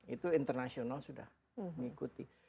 itu internasional sudah mengikuti